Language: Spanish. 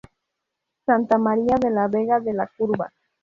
Santa María de la Vega de La Curva.